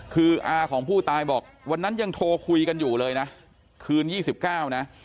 คืออาของผู้ตายบอกวันนั้นยังโทรคุยกันอยู่เลยนะคืน๒๙นะ